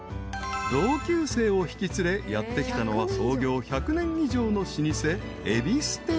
［同級生を引き連れやって来たのは創業１００年以上の老舗］